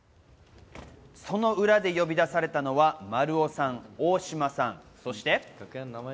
その裏で呼び出されたのは丸尾さん、大島さん、そして。